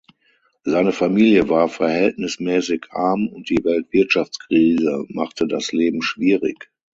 Seine Familie war verhältnismäßig arm und die Weltwirtschaftskrise machte das Leben schwierig.